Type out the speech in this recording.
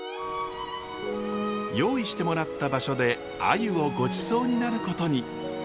用意してもらった場所であゆをごちそうになることに。